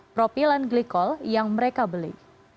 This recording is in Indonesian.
propilan glycol yang mereka beli